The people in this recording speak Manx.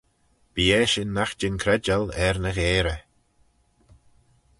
Bee eshyn nagh jean credjal er ny gheyrey.